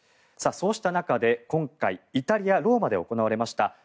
そうした中で今回イタリア・ローマで行われました